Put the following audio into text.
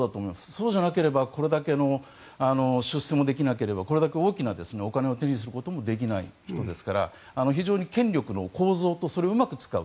そうでなければこれだけの出世もできなければこれだけ多くのお金を手にすることもできない人ですから非常に権力の構造とそれをうまく使う。